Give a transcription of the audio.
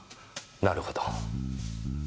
なるほど。